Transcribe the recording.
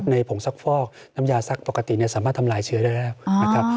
ผงซักฟอกน้ำยาซักปกติสามารถทำลายเชื้อได้แล้วนะครับ